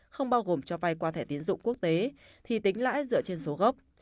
không bao gồm cho vai qua thẻ tín dụng quốc tế thì tính lãi dựa trên số gốc